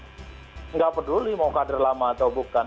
tidak peduli mau kader lama atau bukan